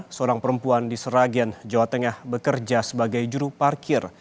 seorang perempuan di seragian jawa tengah bekerja sebagai juru parkir